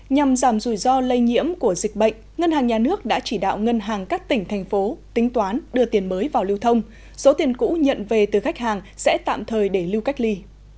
nhằm giảm rủi ro lây nhiễm của dịch bệnh ngân hàng nhà nước đã chỉ đạo ngân hàng các tỉnh thành phố tính toán đưa tiền mới vào lưu thông số tiền cũ nhận về từ khách hàng sẽ tạm thời để lưu cách ly